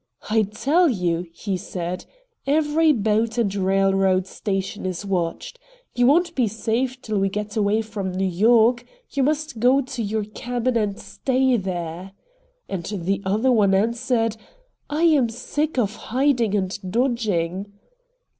'I tell you,' he said, 'every boat and railroad station is watched. You won't be safe till we get away from New York. You must go to your cabin, and STAY there.' And the other one answered: 'I am sick of hiding and dodging.